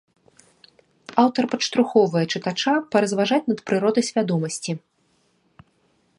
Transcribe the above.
Аўтар падштурхоўвае чытача паразважаць над прыродай свядомасці.